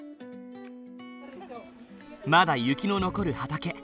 まだ雪の残る畑。